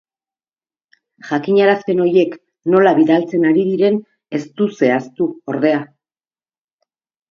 Jakinarazpen horiek nola bidaltzen ari diren ez du zehaztu, ordea.